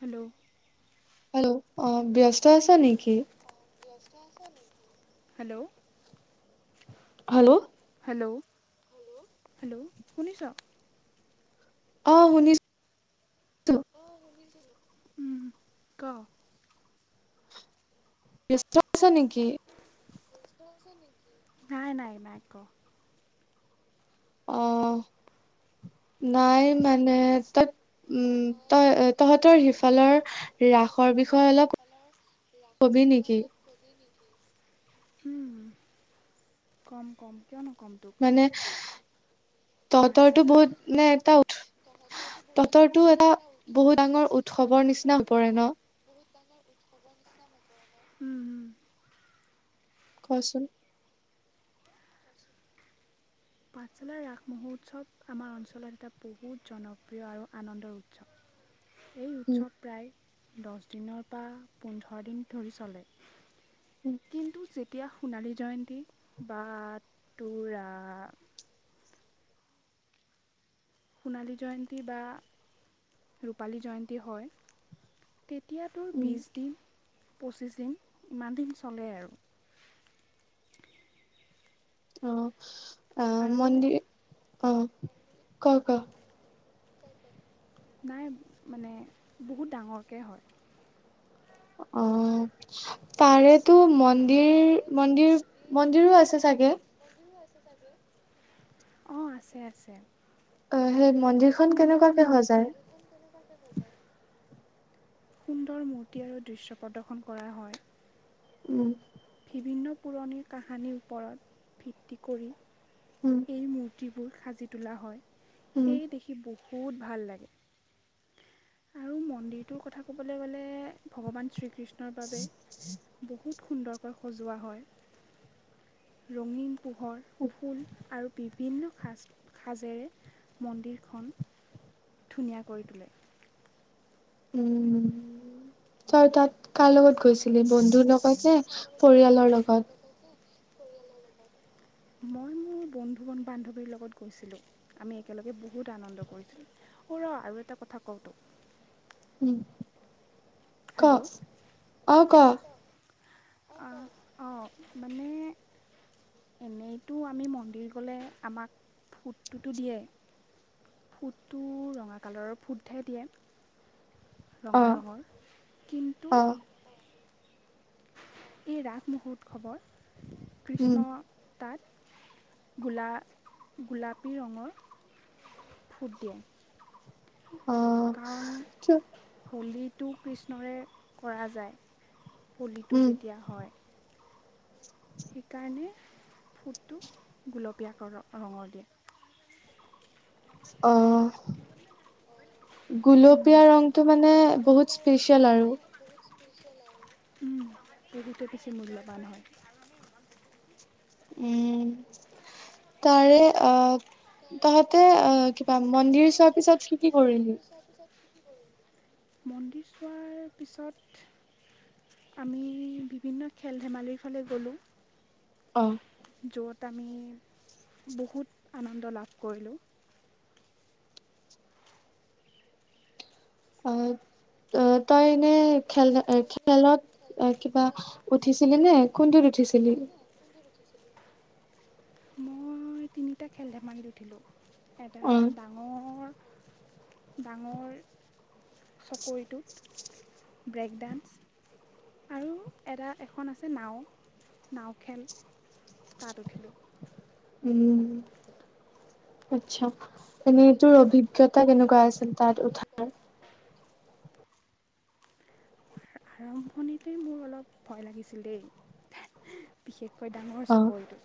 Hello hello অ ব্যস্ত আছা নেকি হেল্ল' হেল্ল' হেল্ল' হেল্ল' শুনিছ অ শুনিছ ম ক বিশাস নেকি নাই নাই নাইকৰা অ নাই মানে তই উম তই তহঁতৰ সিফালৰ হ্ৰাসৰ বিষয়ে অলপ কবি নেকি উম কম কম কিয়নো কম তোক তঁতৰটো পাঠশালাৰ বহুত মানে এটা উ তঁতৰটো এটা বহুত ডাঙৰ উৎসৱৰ নিচিনা হৈ পৰে ন উম হম কচোন পাঠশালা ৰাস মহোৎসৱ আমাৰ অঞ্চলত এটা বহুত জনপ্ৰিয় আৰু আনন্দৰ উৎসৱ এই উম উৎসৱ প্ৰায় দহ দিনৰ পৰা পোন্ধৰ দিন ধৰি চলে উম এতিয়া সোণালী জয়ন্তী বা তোৰ সোণালী জয়ন্তী বা ৰূপালী জয়ন্তী হয় তেতিয়াতোৰ উম বীজ দিন পঁচিছ দিন ইমান দিন চলে আৰু অ আহ আৰু মন্দিৰ অ ক ক নাই মানে বহুত ডাঙৰকে হয় অ তাৰেতো মন মন্দিৰ মন্দিৰ মন্দিৰো আছে চাগে অ আছে আছে অ সেই মন্দিৰখনন সুন্দৰ কেনেকুৱাকে মূৰ্তি সজায় সুন্দৰ মূৰ্তি আৰু দৃশ্য প্ৰদৰ্শন কৰা হয় উম। বিভিন্ন পুৰণি কাহানীৰ ওপৰত ভিত্তি কৰি উম এই মূৰ্তি বোৰ সাজি তোলা হয়। উম সেইয় দেখি বহুত বহুত ভাল লাগে। আৰু মন্দিৰটোৰ কথা ক'বলৈ গ'লে ভগৱান শ্ৰীকৃষ্ণ তাৰ বাবে বহুত সুন্দৰ সজোৱা হয় ৰঙীন। পোহৰ ফুল আৰু বিভিন্ন সাজ সাজেৰে মন্দিৰখন ধুনীয়া কৰি তোলে। উম, তাৰ, তাত কাৰ লগত গৈছে? বন্ধুৰ লগত নে, পৰিয়ালৰ লগত? মই মোৰ বন্ধু বান্ধৱীৰ লগত গৈছিলোঁ আমি একেলগে বহুত আনন্দ কৰিছিলোঁ অঁ, ৰ আৰু এটা কথা কওঁ তোক। উম। কফ হেল্ল' অ, ক? অঁ, মানে এনেইতো আমি মন্দিৰ গ'লে আমাক ফুটটোতো দিয়ে। ফুটটো ৰঙা কালাৰৰ ফুটহে দিয়ে। অ ৰঙা ৰংৰ। কিন্তু? অ এই ৰাগমহূৰ্ত খবৰ উম কৃষ্ণ। তাত গোলা গোলাপী ৰঙৰ ফুট দিয়ে। অ কাৰণ কিয় হোলীত? টো কৃষ্ণৰে কৰা যায়। উম পলিটো যেতিয়া হয়। সেইকাৰণে ফুটটো গোলপীয়া ৰঙৰ দিয়ে। আঃহ। গুলপীয়া ৰংটো মানে বহুত স্পেচিয়েল আৰু। উম পভিটো বেছি মূল্যবান হয়। উম, তাৰে অঁ, তহঁতে অঁ, কিবা মন্দিৰ চোৱাৰ পিছত কি কৰিলি? মন্দিৰ চোৱাৰ পিছত আমি বিভিন্ন খেল ধেমালিৰ ফালে গ'লোঁ। অঁ' য'ত আমি বহুত আনন্দ লাভ কৰিলোঁ। অঁ, তই এনে খেল-খেলত আঁহ কিবা উঠিছিলি নে কোনটোত উঠিছিলি? মই তিনিটা খেল ধেমালি উঠিলো এটা অ ডাঙৰ ডাঙৰ চকৰিটো ব্ৰেক ডান্স আৰু এটা এখন আছে নাওঁ, নাওঁ খেল তাত উঠিলো উম আচ্ছা এনে তোৰ অভি অভিজ্ঞতা কেনেকুৱা আছিল তাত উঠাৰ আৰম্ভণিতে মোৰ অলপ ভয় লাগিছিল দেই বিশেষ কৈ ডাঙৰ অ চকৰিটো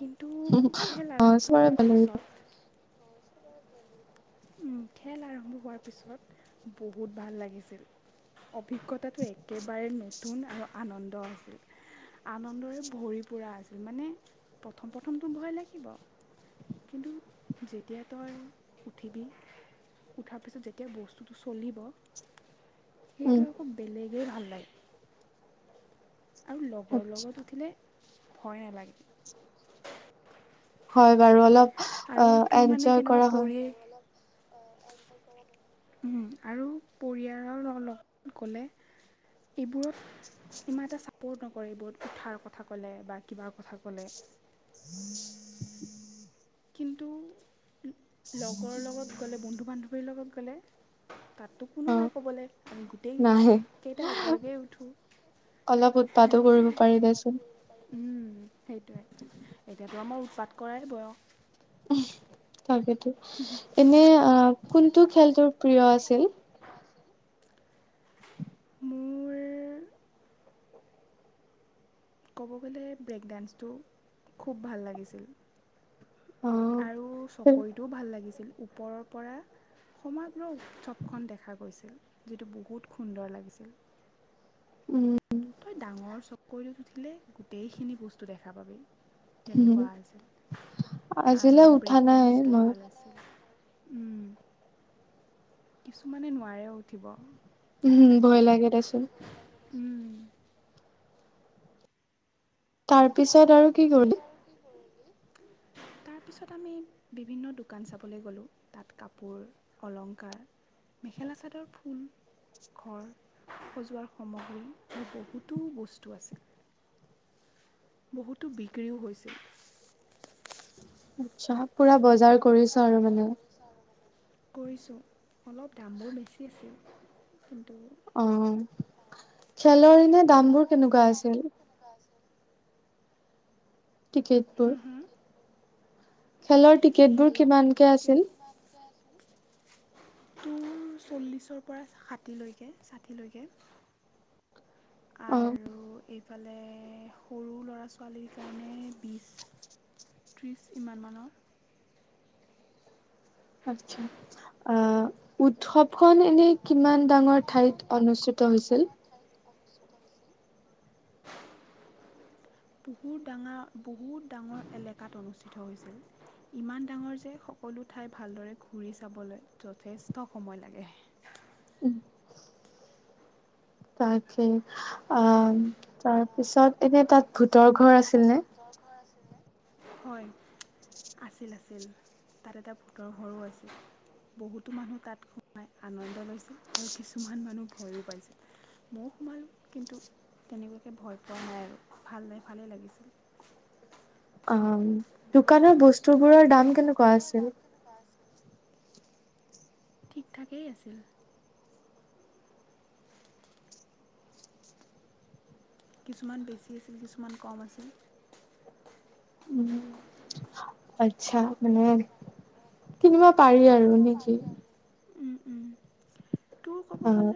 কিন্তু খেল অ আৰম্ভ চবৰে হোৱাৰ ভাল লাগিব পিছত উম খেল আৰম্ভ হোৱাৰ পিছত বহুত ভাল লাগিছিল অভ অভিজ্ঞতাটো একেবাৰে নতুন নতুন আৰু আনন্দ আছিল আনন্দৰে ভৰি পৰা আছিল মানে প্ৰথম প্ৰথমটো ভয় লাগিব কিন্তু যেতিয়া তই উঠিবি উঠাৰ পিছত যেতিয়া বস্তুটো চলিব উম সেইটো আকৌ বেলেগ খুবে ভাল লাগে আৰু লগৰ লগত উঠিলে ভয় নালাগে হয় বাৰু অলপ অ আৰু তোৰ মানে এনজয় কেনেকুৱা কৰা হয় পৰি উম আৰু পৰিয়ালৰ লগত গ'লে এইবোৰত ইমান এটা চাপৰ্ট নকৰে এইবোৰত উঠাৰ কথা ক'লে বা কিবাৰ কথা ক'লে কিন্তু লগৰ লগত গ'লে বন্ধু বান্ধৱীৰ লগত গ'লে তাতটো অ কোনো নাই ক'বলৈ আমি নাহে গোটেইকেইটাই একেলগেই উঠো, অলপ হে, উৎপাতো উম কৰিব পাৰি দেচোন সেইটোৱে এতিয়াটো আমাৰ উৎপাত কৰাই বয়স। উম তাকেতো এনে আহ কোনটো খেলটোৰ? কি খেল তোৰ প্ৰিয় আছিল? মোৰ ক'ব গ'লে ব্ৰেক ডান্সটো, খুব ভাল লাগিছিল। অ আৰু চকৰিটোও ভাল লাগিছিল। ওপৰৰ পৰা সমাগ্ৰ উৎসৱখন দেখা গৈছিল, যিটো বহুত সুন্দৰ লাগিছিল। তই ডাঙৰ চকৰিত উঠিলে গোটেইখিনি বস্তু দেখা পাবি। উম তেনেকুৱা আছিল আৰু আজিলৈ উঠা ব্ৰেক নাই ডান্সটো মই ভাল আছিল। কিছুমানে নোৱাৰেও উঠিব। উম হুম ভয় লাগে দেচোন। উম তাৰ পিছত আৰু কি কৰিলি? তাৰপিছত আমি বিভিন্ন দোকান চাবলৈ গ'লোঁ তাত কাপোৰ, অলংকাৰ, মেখেলা-চাদৰ, ফুল ঘৰ সজোৱাৰ সামগ্ৰী এই বহুতো বস্তু আছিল। বহুতো বিক্ৰীও হৈছিল। আচ্ছা, পুৰা বজাৰ কৰিছা আৰু মানেও কৰিছোঁ অলপ দামবোৰ বেছি আছিল কিন্তু অঁ, চলও চেলৰি নে দামবোৰ কেনেকুৱা আছিল হা টিকেটবোৰ হা খেলৰ টিকেটবোৰ খেলৰ কিমানকে টিকেট আছিল? তোৰ চল্লিছৰ পৰা সাঠিলৈকে ষাঠিলৈকে অ আৰু এই ইফালে সৰু ল'ৰা ছোৱালীৰ কাৰণে বিশ ত্ৰিশ মানৰ ন আচ্ছা, আহ উৎসৱখন এনে কিমান ডাঙৰ ঠাইত অনুষ্ঠিত হৈছিল? বহুত ডাঙৰ বহুত ডাঙৰ এলেকাত অনুষ্ঠিত হৈছিল ইমান ডাঙৰ যে সকলো ঠাই ভালদৰে ঘূৰি চাবলৈ যথেষ্ট সময় লাগে। তাকে অঁ তাৰপিছত এনে তাত পিছত ভূতৰ ঘৰ এতিয়া আছিল তাত নে ভূটৰ ঘৰ আছিলে হয় আছিল আছিল, তাত এটা ভূতৰ ঘৰো আছিল বহুতো মানুহ তাত সোমাই আনন্দ লৈছিল আৰু কিছুমান মানুহ ভয়ো পাইছিল ময়ো সোমালোঁ কিন্তু তেনেকুৱাকে ভয় পোৱা নাই আৰু ভাল নাই ভালেই লাগিছিল। অ' দোকানৰ বস্তুবোৰৰ দাম কেনেকুৱা আছিল। ঠিক ঠাকেই আছিল। কিছুমান বেছি আছিল! কিছুমান কম আছিল! উম আচ্ছা! মানে কিনিব পাৰি আৰু নেকি। উম! উ! অ'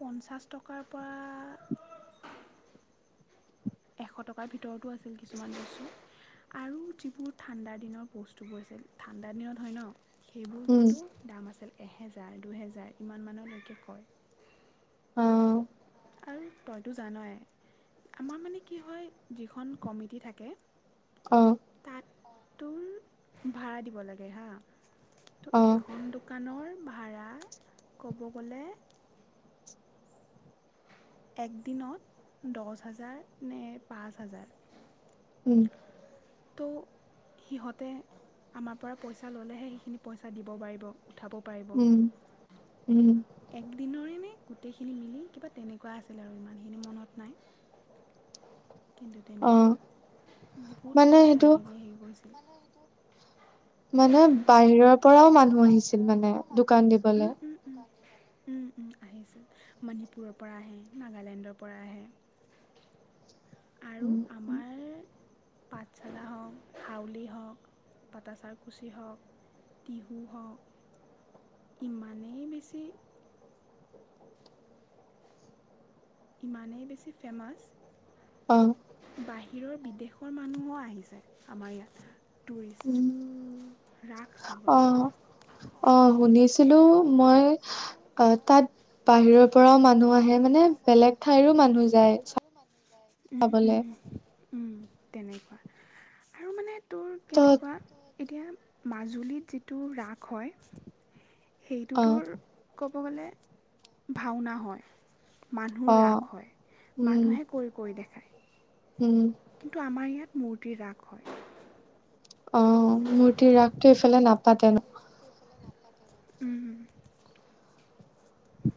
পঞ্চাছ টকাৰ পৰা এশ টকাৰ ভিতৰতো আছিল কিছুমান বস্তু আৰু যিবোৰ ঠাণ্ডা দিনৰ বস্তুবোৰ আছিল, ঠাণ্ডা দিনত হয় ন'। সেইবোৰ উম কিন্তু দাম আছিল। এহেজাৰ, দুহেজাৰ ইমান মানলৈকে কয়। অ আৰু তইতো জানই আমাৰ মানে কি হয়, যিখন কমিটি থাকে অ' অ' তোৰ ভাড়া দিব লাগে হা। তোৰ অ এখন দোকানৰ ভাড়া ক'ব গ'লে এক দিনত দহ হাজাৰ নে পাঁচ হাজাৰ। উম! তো সিহঁতে আমাৰ পৰা পইচা ল'লেহে, সেইখিনি পইচা দিব পাৰিব। উঠাব পাৰিব উম! উম! একদিনৰে নে গোটেইখিনি মিলি, কিবা তেনেকুৱা আছিল আৰু ইমানখিনি মনত নাই। কিন্তু, অ তেনেকুৱা মানে বহুত সেইটো তেনেকে হেৰি কৰিছে। মানে সইটো মানে, বাহিৰৰ পৰাও মানুহ আহিছিল মানে, দোকান উম দিবলে। উম উম, উম, আহিছে। মণিপুৰৰ পৰা আহে, নাগালেণ্ডৰ পৰা আহে। আৰু উম আমাৰ পাঠশালা হওঁক, হাউলী হওঁক, পটাাচাৰকুচি হওঁক টিহু হওঁক ইমানেই বেছি ইমানেই বেছি ফেমাছ। অ' বাহিৰৰ বিদেশৰ মানুহো আহিছে আমাৰ ইয়াত। টুৰিষ্ট উম, ৰাস চাবলৈ অ' অ' শুনিছিলো মই তাত বাহিৰৰ পৰাও মানুহ আহে। মানে, বেলেগ ঠাইৰো মানুহ যায় চাবলৈ। তেনেকুৱা আৰু মানে তোৰ তত কেনেকুৱা, এতিয়া! মাজুলীত যিটো ৰাস হয় অ সেইটোতো ক ক' গ'লে ভাওনা হয়। মানুহৰ অ ৰাগ হয়, উম মানুহে কৰি কৰি দেখায়। উম কিন্তু আমাৰ ইয়াত মূৰ্তি ৰাস হয়। অ', মূৰ্তিৰ ৰাগটো এইফালে নাপ ঠোফালে ন' উম।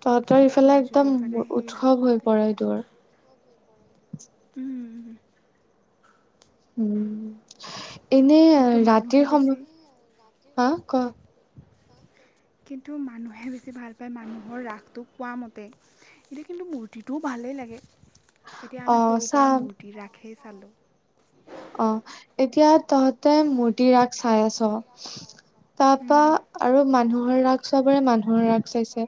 তহঁতৰ ইফালে একদম ফালে সেই ৰাস উৎসৱ হৈ পাতে পৰে তোৰ। উম। উম। এনে কিন্তু মানুহে ৰাতিৰ সময় বেছি হা কোৱা কিন্তু মানুহে বেছি ভাল পায় মানুহৰ ৰাসটো কোৱা মতে এতিয়া কিন্তু মূৰ্তিটোও ভালেই লাগে। এতিয়া অ আমি সৰু পৰা চাম মূৰ্তি ৰাখেই চালো অ', এতিয়া তহতে মূৰ্তি ৰাগ চাই আছ। তাৰপৰা আৰু মানুহৰ ৰাগ চবৰে মানুহৰ ৰাগ চাইছে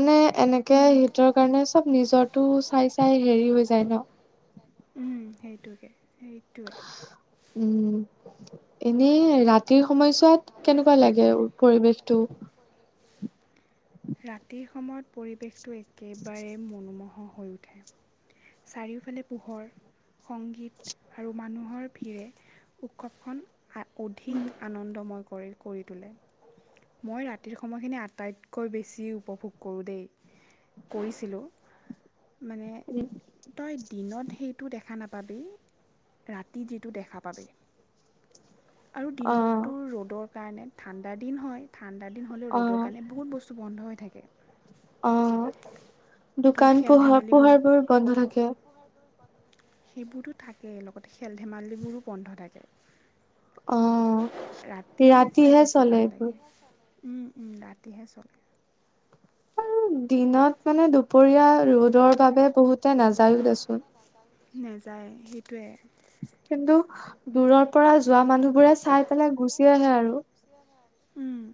মানে এনেকে সিহতৰ কাৰণে চব সিহঁতৰ নিজৰটো কাৰণে চব চাই চাই নিজৰটো হেৰি হৈ চাই যায় চাই ন'। হেৰি হৈ যায় ন। সেইটোৱে এইটোৱে এনে ৰাতিৰ সময়ছোৱাত কেনেকুৱা লাগে পৰিৱেশটো? ৰাতিৰ সময়ত পৰিৱেশ একেবাৰে মনোমোহ হৈ উঠে। চাৰিওফালে পোহৰ সংগীত আৰু মানুহৰ ভিৰে উৎসৱখন অধিক আনন্দময় কৰে। কৰি তোলে মই ৰাতিৰ সময়খিনি আটাইতকৈ বেছি উপভোগ কৰোঁ দেই কৰিছিলোঁ। মানে তই দিনত সেইটো দেখা নাপাবি ৰাতি যিটো দেখা পাবি। আৰু অ দিনত তোৰ ৰ'দত কাৰণে ঠাণ্ডা দিন হয়। ঠাণ্ডা দিন হ'লে ৰ'দৰ অ কাৰণে বহুত বস্তু বন্ধ হৈ থাকে। অ', তোৰ দোকান খেল পোহাৰ ধেমালিবোৰ পোহাৰ বোৰ বন্ধ থাক তাকে সেইবোৰতো থাকেই লগতে খেল-ধেমালিবোৰো বন্ধ থাকে। অ ৰাতি চাই ৰাতিহে বেছি চলে ভাল এইবোৰ লাগে ৰাতিহে চলে আৰু দিনত মানে দুপৰীয়া ৰ'দৰ বাবে বহুতে নাযায়ো দেচোন। নেযায় সেইটোৱে কিন্তু দূৰৰ প পৰা যোৱা মানুহবোৰে চাই পেলাই গুচি আহে আৰু উম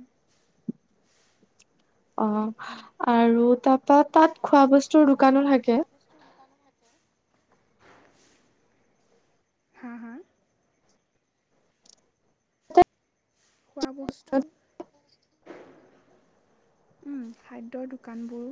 অ সেইটোৱে আৰু তাৰপা তাত খোৱা বস্তুৰ দোকানো থাকে। হা হা খোৱা বস্তু উম খাদ্যৰ দোকানবোৰো